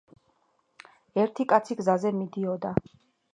ერთი კაცი გზაზე მიდიოდა.